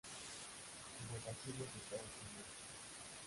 Los asirios de Estados Unidos.